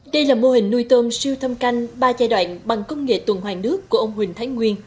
đây là mô hình nuôi tôm siêu thâm canh ba giai đoạn bằng công nghệ tuần hoàng nước của ông huỳnh thái nguyên